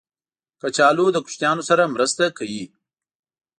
کچالو له کوچنیانو سره مرسته کوي